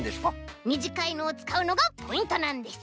みじかいのをつかうのがポイントなんです。